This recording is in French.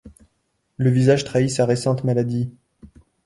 Le visage trahit sa récente maladie.